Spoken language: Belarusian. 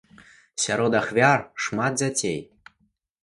Сярод ахвяр шмат дзяцей.